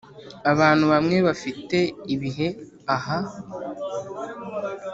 abantu bamwe bafite ibihe "aha